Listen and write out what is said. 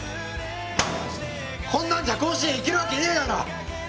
こんなんじゃ甲子園行けるわけねえだろ！